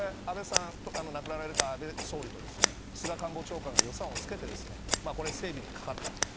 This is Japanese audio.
亡くなられた安倍総理と菅官房長官が予算をつけて整備にかかった。